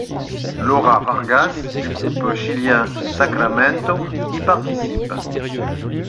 Laura Vargas du groupe chilien Sacramento y participe.